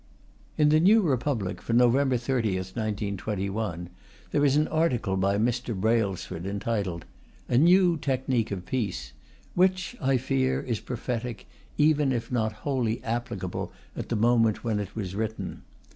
In the New Republic for November 30, 1921, there is an article by Mr. Brailsford entitled "A New Technique of Peace," which I fear is prophetic even if not wholly applicable at the moment when it was written.